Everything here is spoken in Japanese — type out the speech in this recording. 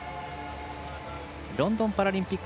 ロンドンパラリンピック